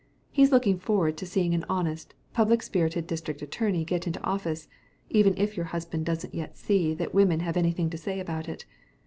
"He's looking forward to seeing an honest, public spirited district attorney get into office even if your husband doesn't yet see that women have anything to say about it.